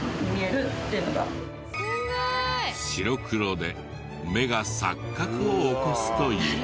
白黒で目が錯覚を起こすという。